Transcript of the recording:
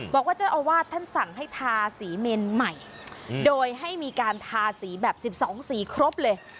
บอกว่าเจ้าอาวาสท่านสั่งให้ทาสีเมนใหม่โดยให้มีการทาสีแบบ๑๒สีครบเลย